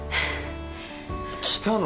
来たの？